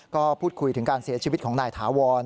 ก็พูดคุยถึงการเสียชีวิตของนายถาวร